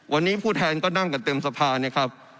วันนี้ผู้แทนก็นั่งกันเต็มสภานะครับ